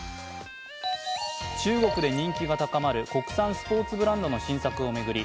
中国で人気が高まる国産スポーツブランドの新作を巡り